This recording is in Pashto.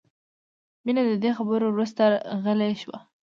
مینه د دې خبرو وروسته غلې شوه